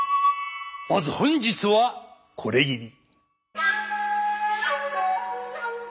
まず本日はこれぎり。